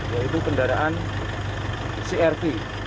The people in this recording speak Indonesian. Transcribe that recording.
yaitu kendaraan crt